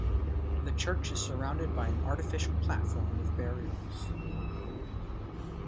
The church is surrounded by an artificial platform with burials.